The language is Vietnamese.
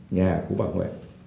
nhà của bà nguyễn